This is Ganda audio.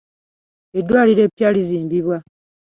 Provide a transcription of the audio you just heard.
Eddwaliro eppya lizimbibwa.